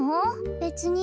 べつに。